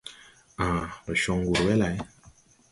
Ãã, ndo con wur we lay?